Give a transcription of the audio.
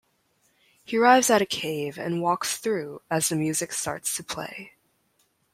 He arrives at a cave, and walks through, as the music starts to play.